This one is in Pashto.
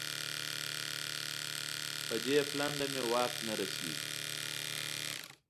پر دې پلنډه مې واک نه رسېږي.